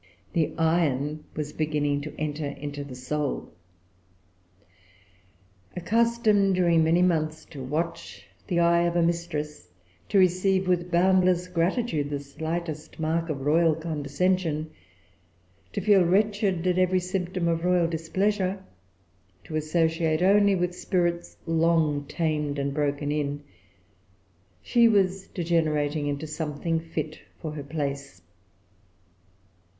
The iron was beginning to enter into the soul. Accustomed during many months to watch the eye of a mistress, to receive with boundless gratitude the slightest mark of royal condescension, to feel wretched at every symptom of royal displeasure to associate only with spirits long tamed and broken in, she was degenerating into something fit for her place.